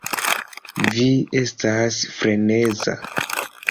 Vi estas freneza!